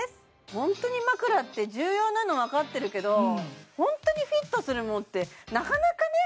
ホントに枕って重要なのわかってるけどホントにフィットするものってなかなかね